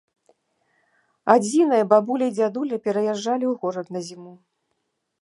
Адзінае, бабуля і дзядуля пераязджалі ў горад на зіму.